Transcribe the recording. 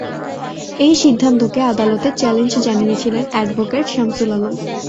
এ সিদ্ধান্তকে আদালতে চ্যালেঞ্জ জানিয়েছিলেন অ্যাডভোকেট শামসুল আলম।